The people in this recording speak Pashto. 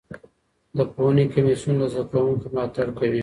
د پوهنې کمیسیون له زده کوونکو ملاتړ کوي.